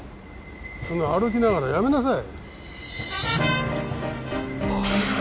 その歩きながらやめなさい。